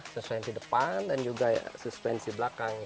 sesuai yang di depan dan juga suspensi belakang